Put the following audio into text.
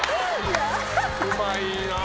うまいな。